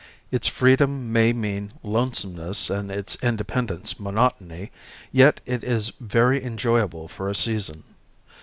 Its freedom may mean lonesomeness and its independence monotony, yet it is very enjoyable for a season.